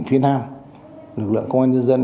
phía nam lực lượng công an nhân dân